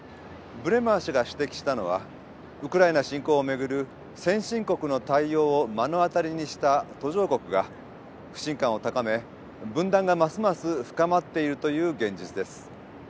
ブレマー氏が指摘したのはウクライナ侵攻を巡る先進国の対応を目の当たりにした途上国が不信感を高め分断がますます深まっているという現実です。